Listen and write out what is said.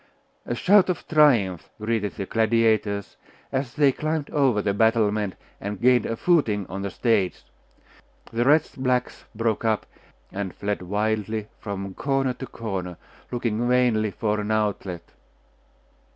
A shout of triumph greeted the gladiators as they climbed over the battlement, and gained a footing on the stage. The wretched blacks broke up, and fled wildly from corner to corner, looking vainly for an outlet....